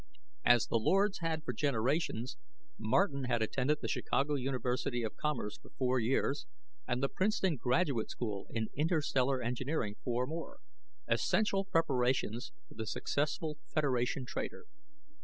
As the Lords had for generations, Martin had attended the Chicago University of Commerce for four years, and the Princeton Graduate School in Interstellar Engineering four more essential preparations for the successful Federation trader.